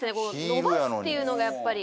伸ばすっていうのがやっぱり。